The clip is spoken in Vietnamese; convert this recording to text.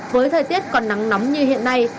với thời tiết còn nắng nóng như hiện nay